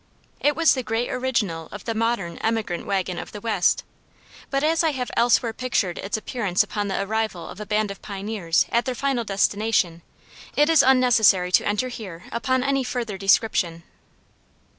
It was the great original of the modern emigrant wagon of the West; but as I have elsewhere pictured its appearance upon the arrival of a band of pioneers at their final destination, it is unnecessary to enter here upon any further description.